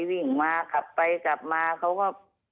วิ่งมาขับไปกลับมาเขาก็